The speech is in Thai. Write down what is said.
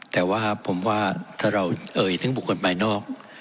แต่ว่าผมว่าถ้าเราเอ่ยถึงบุคคลภายนอก